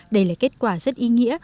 đây là kết quả rất ý nghĩa